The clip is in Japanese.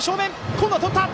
今度はとった！